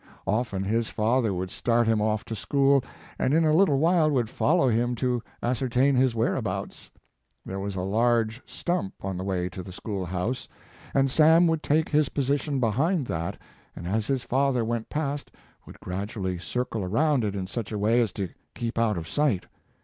Often his father would start him off to school, and in a little while would follow him to ascertain his whereabouts. There was a large stump on the way to the school house, and Sam would take his position behind that, and as his father went past would gradually circle around it in such a way as to keep out of sight.